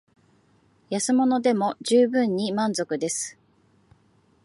安物でも充分に満足です